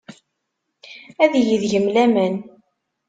Ad yeg deg-m laman.